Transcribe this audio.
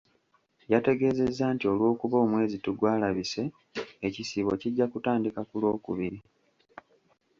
Yategeezezza nti olw’okuba omwezi tegwalabise, ekisiibo kijja kutandika ku Lwokubiri.